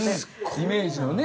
イメージのね。